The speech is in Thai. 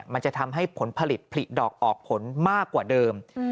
มันจะทำให้ผลผลิตผลิดอกออกผลมากกว่าเดิม